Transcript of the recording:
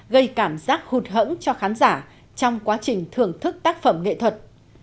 gây cảm giác hụt hẫng cho khán giả trong quá trình thưởng thức tác phẩm nghệ thuật